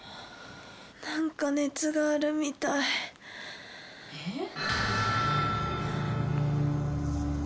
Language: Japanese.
なんか熱があるみたいえっ？